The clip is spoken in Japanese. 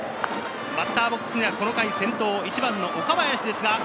バッターボックスにはこの回、先頭、１番・岡林です。